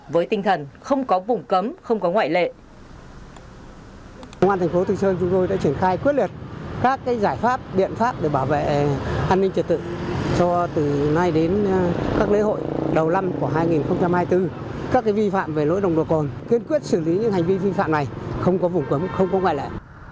với tinh thần không có vùng cấm không có ngoại lệ